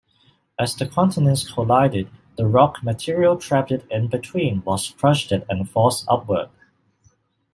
As the continents collided, the rock material trapped in-between was crushed and forced upward.